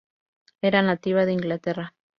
Era nativa de Inglaterra.